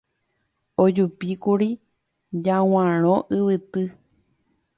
Ojupíkuri Jaguarõ yvyty.